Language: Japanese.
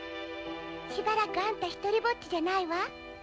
しばらくあんた独りぼっちじゃないわ。